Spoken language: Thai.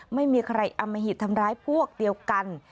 ไม่มีใครอมหิตทำร้ายพวกเดียวกัน